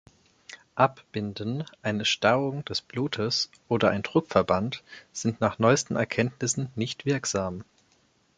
Abbinden, eine Stauung des Blutes, oder ein Druckverband sind nach neusten Erkenntnissen nicht wirksam.